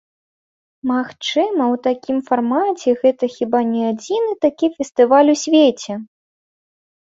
Магчыма ў такім фармаце гэта хіба не адзіны такі фестываль у свеце.